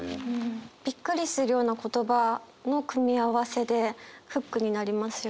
びっくりするような言葉の組み合わせでフックになりますよね。